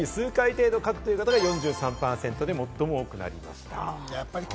年に数回程度、書くという方が４３％で最も多くなりました。